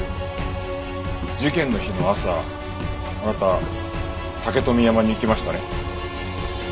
事件の日の朝あなた竹富山に行きましたね？